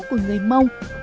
của người mông